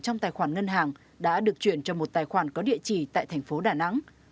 trong tài khoản ngân hàng đã được chuyển cho một tài khoản có địa chỉ tại thành phố đà nẵng